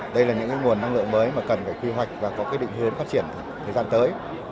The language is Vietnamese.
đây là những nguồn năng lượng mới mà cần phải quy hoạch và có định hướng phát triển thời gian tới